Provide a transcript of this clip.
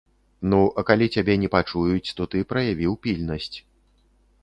Ну, а калі цябе не пачуюць, то ты праявіў пільнасць.